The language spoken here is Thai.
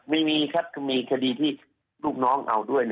ไม่มีครับคือมีคดีที่ลูกน้องเอาด้วย